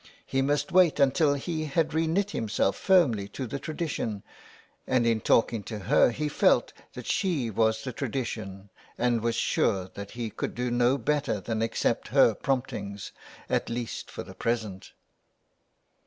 He must wait until he had re knit himself firmly to the tradition, and in talking to her he felt that she was the tradition and was sure that he could do no better than accept her promptings, at least for the present.